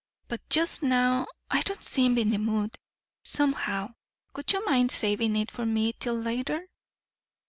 But just now I don't seem in the mood, somehow. Would you mind saving it for me till later?"